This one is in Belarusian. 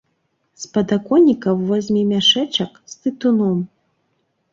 З падаконніка возьме мяшэчак з тытуном.